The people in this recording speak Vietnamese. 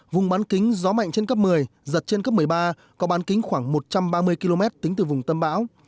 vùng bán kính gió mạnh trên cấp một mươi giật trên cấp một mươi ba có bán kính khoảng một trăm ba mươi km tính từ vùng tâm bão